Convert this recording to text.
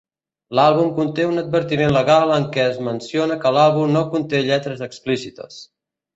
L'àlbum conté un advertiment legal en què es menciona que l'àlbum no conté lletres explícites.